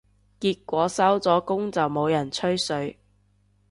結果收咗工就冇人吹水